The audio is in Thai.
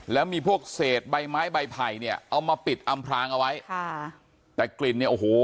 แล้วมีพวกเศษใบไม้ใบไผ่เนี่ยเอามาปิดอำพลางเอาไว้ค่ะแต่กลิ่นเนี่ยโอ้โห